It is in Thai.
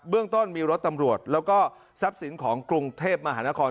เรื่องต้นมีรถตำรวจแล้วก็ทรัพย์สินของกรุงเทพมหานคร